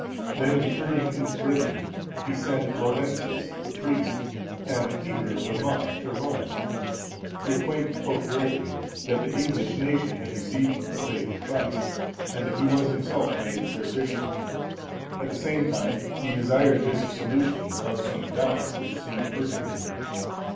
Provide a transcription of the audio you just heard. Then returning into Britain, he sent Laurentius the the priest(120) and Peter the monk(121) to Rome, to acquaint Pope Gregory, that the English nation had received the faith of Christ, and that he was himself made their bishop. At the same time, he desired his solution of some doubts which seemed urgent to him.